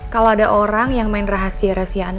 kalau ada orang yang main rahasia rahasiaan